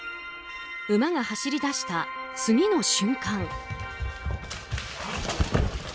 馬が走り出した次の瞬間。